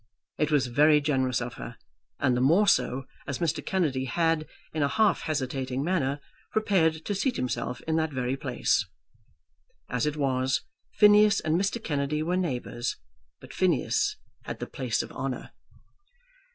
It was very generous of her; and the more so, as Mr. Kennedy had, in a half hesitating manner, prepared to seat himself in that very place. As it was, Phineas and Mr. Kennedy were neighbours, but Phineas had the place of honour.